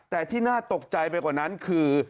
แต่ที่น่าตกใจไปกว่านั้นคือ